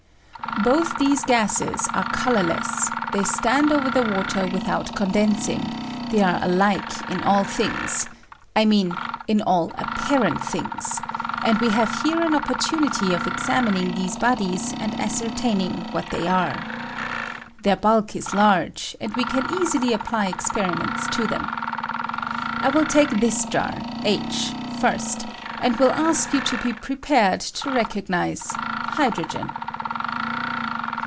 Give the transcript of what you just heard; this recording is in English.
Both these gases arc colorless; they stand over the water without I condensing; they are alike in all things — I mean in all appar&it things ; and we have here an opportunity of examining these bodies and ascertaining what they are. Their bulk is large, I and we can easily apply experiments to thena. II I wiU take this jar (h) first, and will ask you ^^^Lto be prepared to recognize hydrogen.